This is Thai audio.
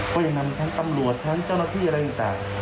ก็ยังนำทั้งตำรวจทั้งเจ้าหน้าที่อะไรต่าง